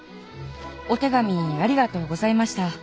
お手紙ありがとうございました。